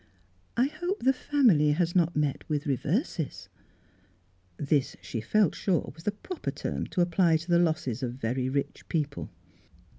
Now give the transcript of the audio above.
" I hope the family has not met with reverses." This, she felt sure, was the proper term to apply to the losses of very rich people.